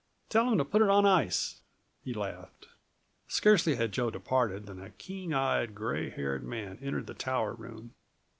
Tell 'em to put it on ice," he laughed. Scarcely had Joe departed than a keen eyed, gray haired man entered the tower room.